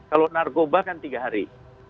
kalau narkoba kan tiga hari